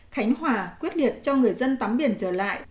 khánh hòa quyết liệt cho người dân tắm biển trở lại